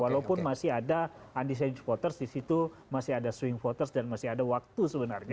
walaupun masih ada undecided voters di situ masih ada swing voters dan masih ada waktu sebenarnya